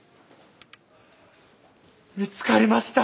見つかりました！